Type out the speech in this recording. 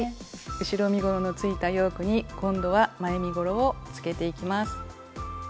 後ろ身ごろのついたヨークに今度は前身ごろをつけていきます。